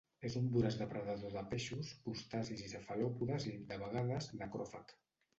És un voraç depredador de peixos, crustacis i cefalòpodes i, de vegades, necròfag.